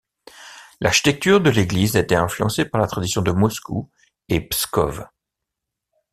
L'architecture de l'église a été influencée par la tradition de Moscou et Pskov.